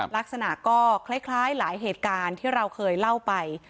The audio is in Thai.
ลักษณะก็คล้ายหลายเหตุการณ์ที่เราเคยเล่าไป